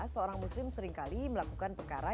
seorang muslim seringkali melakukan pekara